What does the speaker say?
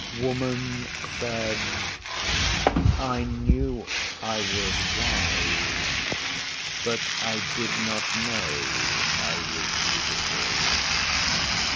Woman said, 'I knew I was wise, but I did not know I was beautiful.